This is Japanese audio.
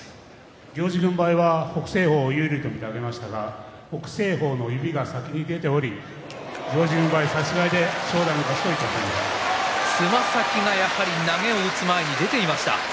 行司軍配は北青鵬有利と見て上げましたが北青鵬の指が先に出ており行司軍配差し違えでつま先がやはり投げを打つ前に出ていました。